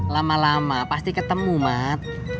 lama lama pasti ketemu mat